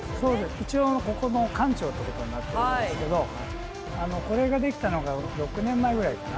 一応ここの館長ってことになってるんですけどこれが出来たのが６年前ぐらいかな。